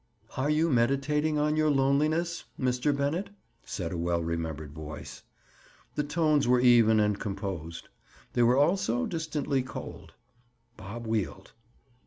"Are you meditating on your loneliness, Mr. Bennett?" said a well remembered voice. The tones were even and composed. They were also distantly cold. Bob wheeled.